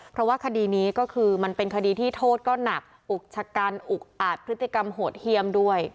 เพราะว่าคดีนี้ก็คือมันเป็นคดีที่โทษก็หนักอุกชะกันอุกอาจพฤติกรรมโหดเยี่ยมด้วย